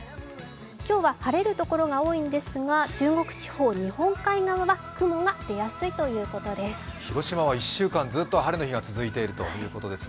今日は晴れる所が多いんですが、中国地方日本海側は雲が出やすいということです。